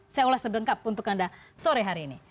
saya ulas sebelengkap untuk anda sore hari ini